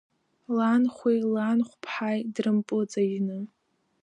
Ланхәеи ланхәԥҳаи дрымпыҵажьны…